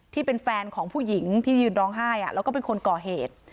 ที่เป็นแฟนของผู้หญิงที่ยืนร้องไห้แล้วก็เป็นคนก่อเหตุ